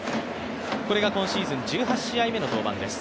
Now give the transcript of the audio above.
これが今シーズン１８試合目の登板です。